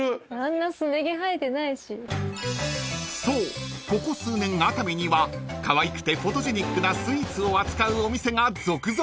［そうここ数年熱海にはかわいくてフォトジェニックなスイーツを扱うお店が続々オープン］